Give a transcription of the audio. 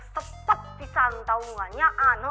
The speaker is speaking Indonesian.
sepet pisang tau gaknya